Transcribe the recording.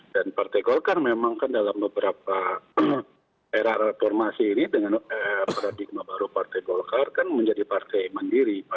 dan partai golkar memang kan dalam beberapa era reformasi ini dengan paradigma baru partai golkar kan menjadi partai mandiri